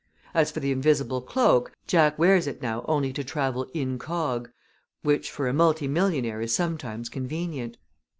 As for the invisible cloak, Jack wears it now only to travel incog., which for a multi millionaire is sometimes convenient.